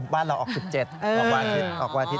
บ้านเราออก๑๗ออกวันอาทิตย์